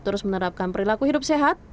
terus menerapkan perilaku hidup sehat